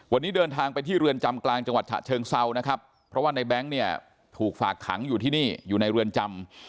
วันนี้เดินทางไปที่เรือนจำกลางจังหวัดฉะเชิงเซานะครับเพราะว่าในแบงค์เนี่ยถูกฝากขังอยู่ที่นี่อยู่ในเรือนจำ